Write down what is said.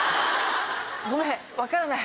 ごめん分からない